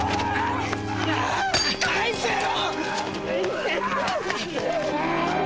返せよ！